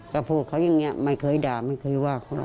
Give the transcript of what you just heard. ก็พูดเขาอย่างนี้ไม่เคยด่าไม่เคยว่าเขา